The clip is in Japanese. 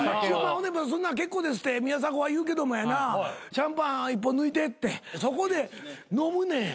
「そんな結構です」って宮迫は言うけどもやな「シャンパン１本抜いて」ってそこで飲むねん。